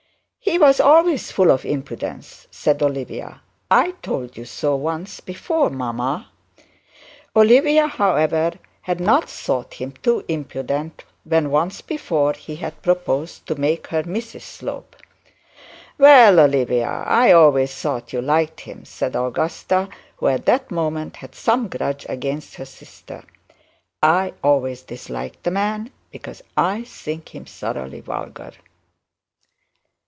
'He was always full of impudence,' said Olivia; 'I told you so once before, mamma.' Olivia, however, had not thought him too impudent when once before he had proposed to make her Mrs Slope. 'Well, Olivia, I always thought you liked him,' said Augusta, who at that moment had some grudge against her sister. 'I always disliked the man because I think him thoroughly vulgar.'